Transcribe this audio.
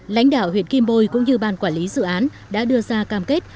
lãnh đạo huyện kim bôi cũng như ban quản lý dự án đã đưa ra cam kết